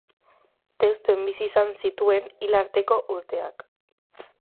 Deustun bizi izan zituen hil arteko urteak.